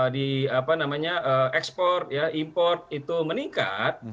di ekspor import itu meningkat